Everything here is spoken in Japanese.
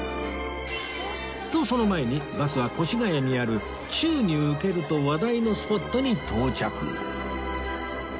とその前にバスは越谷にある宙に浮けると話題のスポットに到着